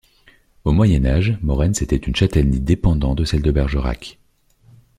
Au Moyen Âge, Maurens était une châtellenie dépendant de celle de Bergerac.